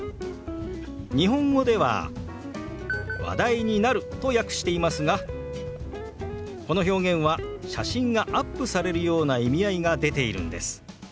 日本語では「話題になる」と訳していますがこの表現は写真がアップされるような意味合いが出ているんです。